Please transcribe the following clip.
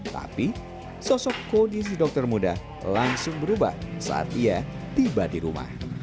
tapi sosok kodi si dokter muda langsung berubah saat ia tiba di rumah